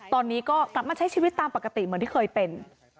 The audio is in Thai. ตอนนี้ก็กลับมาใช้ชีวิตตามปกติเหมือนที่เคยเป็น